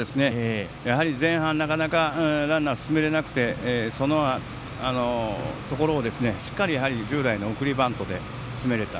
やはり前半、なかなかランナー進められなくてそのところを、しっかり従来の送りバントで進めれた。